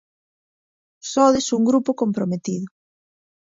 Sodes un grupo comprometido.